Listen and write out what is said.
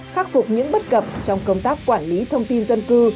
khắc phục những bất cập trong công tác quản lý thông tin dân cư